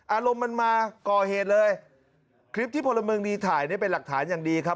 อารมณ์มันมาก่อเหตุเลยคลิปที่พลเมืองดีถ่ายนี่เป็นหลักฐานอย่างดีครับ